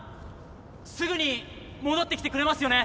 すぐに戻って来てくれますよね？